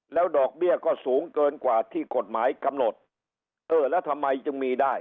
แล้วดอกเบี้ยก็สูงเกินกว่าที่กฎหมายกำหนดเออแล้วทำไมจึงมีได้